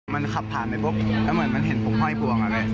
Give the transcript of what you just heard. มันขับผ่านไปปุ๊บแล้วเหมือนมันเห็นผมข้างให้ปวง